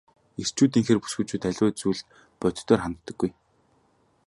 Эрчүүдийнхээр бүсгүйчүүд аливаа зүйлд бодитоор ханддаггүй.